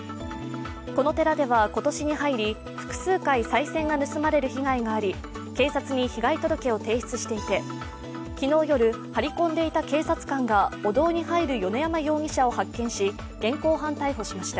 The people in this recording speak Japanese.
この寺では今年に入り複数回さい銭が盗まれる被害があり警察に被害届を提出していて、昨日夜、張り込んでいた警察官がお堂に入る米山容疑者を発見し現行犯逮捕しました。